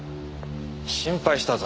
心配したぞ。